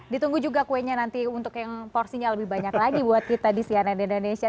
ditunggu juga kuenya nanti untuk yang porsinya lebih banyak lagi buat kita di cnn indonesia